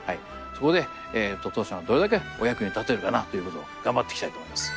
そこで当社がどれだけお役に立てるかなという事を頑張っていきたいと思います。